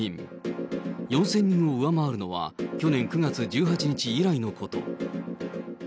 ４０００人を上回るのは、去年９月１８日以来のこと。